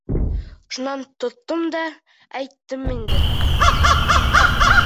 Шунан тоттом да әйттем инде.